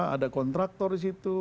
ada kontraktor di situ